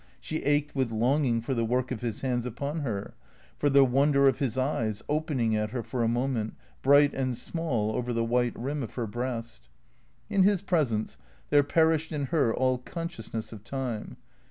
She ached with longing for the work of his hands upon her, for the wonder of his eyes, opening at her for a moment, bright and small, over the white rim of her breast. In his presence there perished in her all consciousness of time.